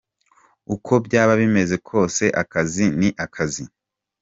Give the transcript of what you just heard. Uko byaba bimeze kose akazi ni akazi.